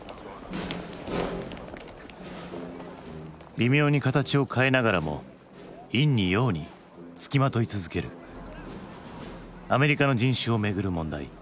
微妙に形を変えながらも陰に陽につきまとい続けるアメリカの人種をめぐる問題。